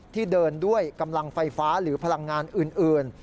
ที่เดินด้วยกำลังไฟฟ้าหรือพลังงานอื่น